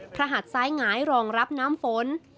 หัดซ้ายหงายรองรับน้ำฝน